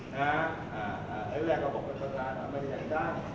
นะฮะอ่าอ่าแรกเขาบอกบริษัทเขาบอกว่าไม่ได้แหล่งตั้ง